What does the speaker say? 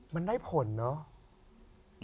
มันได้ผลเนอะ